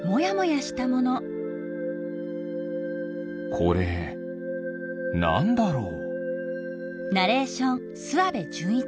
これなんだろう？